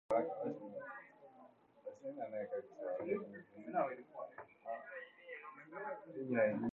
Her singing was like "an unbroken stream of whipped cream".